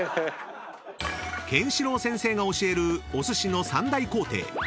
［ケンシロウ先生が教えるお寿司の三大工程］